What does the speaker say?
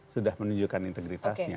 sudah menunjukkan integritasnya